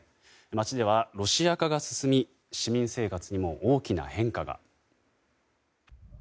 街ではロシア化が進み市民生活にも大きな変化が。